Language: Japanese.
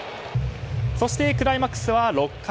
そしてクライマックスは６回。